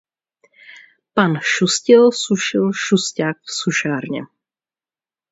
Pan Šustil sušil šusťák v sušárně.